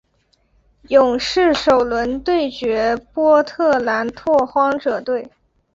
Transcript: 勇士首轮对决波特兰拓荒者队。